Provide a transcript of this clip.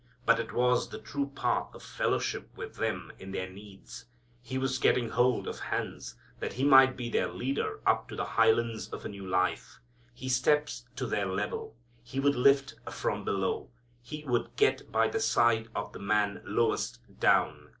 But it was the true path of fellowship with them in their needs. He was getting hold of hands, that He might be their leader up to the highlands of a new life. He steps to their level. He would lift from below. He would get by the side of the man lowest down.